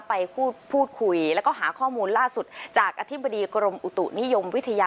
ไปพูดคุยแล้วก็หาข้อมูลล่าสุดจากอธิบดีกรมอุตุนิยมวิทยา